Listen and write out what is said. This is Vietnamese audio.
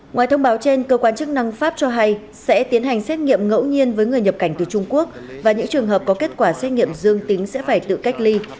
ngoài thông báo trên cơ quan chức năng pháp cho hay sẽ tiến hành xét nghiệm ngẫu nhiên với người nhập cảnh từ trung quốc và những trường hợp có kết quả xét nghiệm dương tính sẽ phải tự cách ly